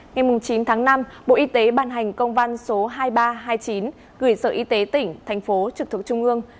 ngày chín tháng năm bộ y tế ban hành công văn số hai nghìn ba trăm hai mươi chín gửi sở y tế tỉnh thành phố trực thuộc trung ương